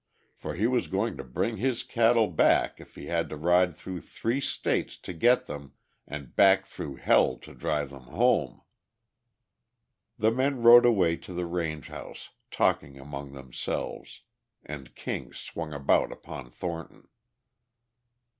For he was going to bring his cattle back if he had to ride through three states to get them and back through hell to drive them home. The men rode away to the range house talking among themselves, and King swung about upon Thornton.